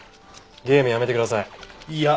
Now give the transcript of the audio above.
ゲームやめてください。